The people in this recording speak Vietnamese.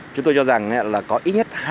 chúng tôi cho rằng là có ít nhất